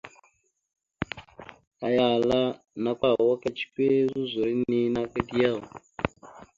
Aya ahala: « Nakw kawa kecəkwe zozor henne naka da yaw? ».